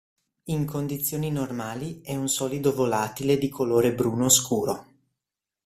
In condizioni normali è un solido volatile di colore bruno scuro.